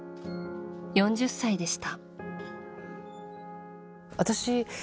４０歳でした。